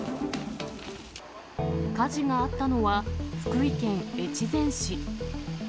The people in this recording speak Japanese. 火事があったのは、福井県越前市。